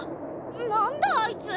なんだあいつ！